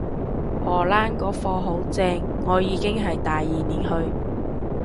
荷蘭個課好正，我已經係第二年去